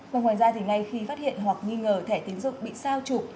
và ngoài ra thì ngay khi phát hiện hoặc nghi ngờ thẻ tín dụng bị sao trục